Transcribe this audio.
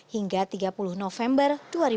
hingga tiga puluh november dua ribu dua puluh